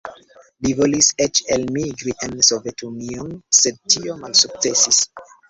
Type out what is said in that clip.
Li volis eĉ elmigri en Sovetunion, sed tio malsukcesis.